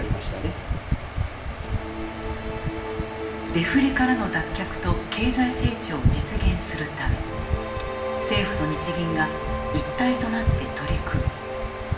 デフレからの脱却と経済成長を実現するため政府と日銀が一体となって取り組む。